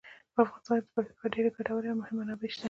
په افغانستان کې د پکتیکا ډیرې ګټورې او مهمې منابع شته.